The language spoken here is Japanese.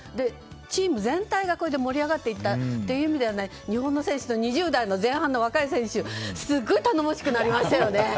チーム全体がこれで盛り上がっていったという意味では日本の選手の２０代の前半の若い選手すごく頼もしくなりましたよね。